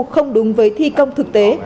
không đúng với thi công thực tế